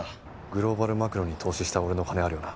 グローバルマクロに投資した俺の金あるよな？